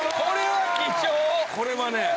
これはね